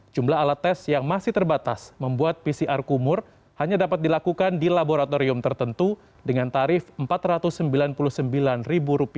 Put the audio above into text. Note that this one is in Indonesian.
jumlah alat tes yang masih terbatas membuat pcr kumur hanya dapat dilakukan di laboratorium tertentu dengan tarif rp empat ratus sembilan puluh sembilan